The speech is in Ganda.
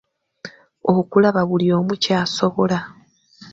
Okulaba buli omu ky'asobola.